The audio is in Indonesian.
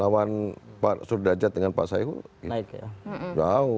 lawan pak surdajat dengan pak saeho